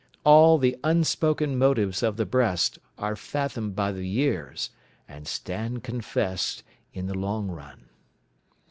All the unspoken motives of the breast Are fathomed by the years and stand confess'd In the long run.